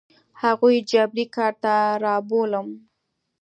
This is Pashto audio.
هغوی جبري کار ته رابولم.